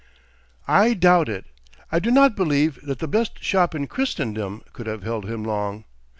I doubt it. I do not believe that the best shop in Christendom could have held him long.